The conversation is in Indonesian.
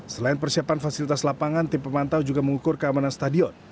selain persiapan fasilitas lapangan tim pemantau juga mengukur keamanan stadion